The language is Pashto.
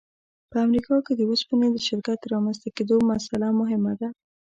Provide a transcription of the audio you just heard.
په امریکا کې د اوسپنې د شرکت د رامنځته کېدو مسأله مهمه ده